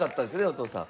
お父さん。